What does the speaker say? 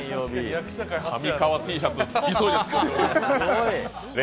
上川Ｔシャツ、急いで作ります。